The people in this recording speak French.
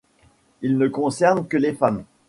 Il ne concerne que les femmes.